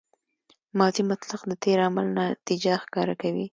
ماضي مطلق د تېر عمل نتیجه ښکاره کوي.